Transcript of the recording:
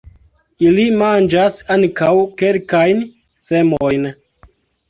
Ili manĝas ankaŭ kelkajn semojn.